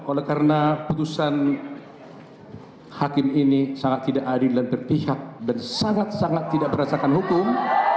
oleh karena putusan hakim ini sangat tidak adil dan berpihak dan sangat sangat tidak merasakan hukum